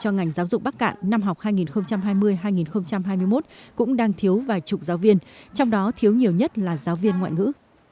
cho ngành giáo dục bắc cạn năm học hai nghìn hai mươi hai nghìn hai mươi một cũng đang thiếu vài chục giáo viên trong đó thiếu nhiều nhất là giáo viên ngoại ngữ